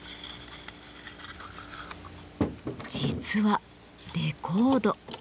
実はレコード。